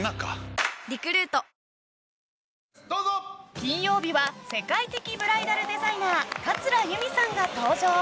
金曜日は世界的ブライダルデザイナー桂由美さんが登場！